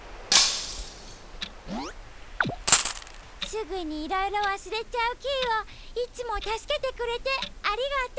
すぐにいろいろわすれちゃうキイをいつもたすけてくれてありがとう。